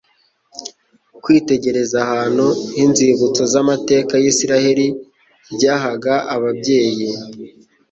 Kwitegereza ahantu h'inzibutso z'amateka y'Isiraeli byahaga ababyeyi